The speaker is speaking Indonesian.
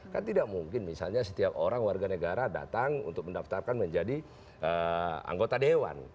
kan tidak mungkin misalnya setiap orang warga negara datang untuk mendaftarkan menjadi anggota dewan